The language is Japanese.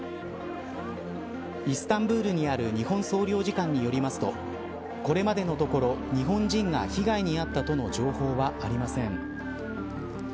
イスタンブールにある日本総領事館によりますとこれまでのところ日本人が被害に遭ったとの情報はありません。